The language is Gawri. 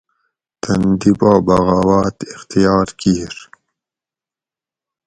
تن دی پا بغاوت اختیار کیر